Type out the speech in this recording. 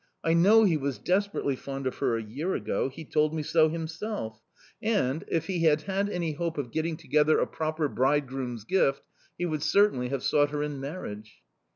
I know he was desperately fond of her a year ago he told me so himself and, if he had had any hope of getting together a proper bridegroom's gift, he would certainly have sought her in marriage.